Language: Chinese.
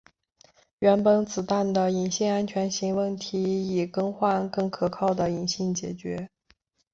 原本子弹的引信安全型问题以更换更可靠的引信解决。